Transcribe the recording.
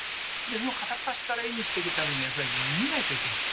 片っ端から絵にしていくためにはやっぱり見ないといけない。